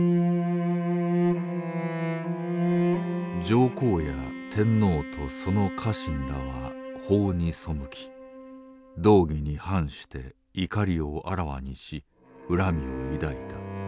「上皇や天皇とその家臣らは法に背き道義に反して怒りをあらわにし恨みを抱いた。